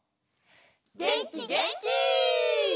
げんきげんき！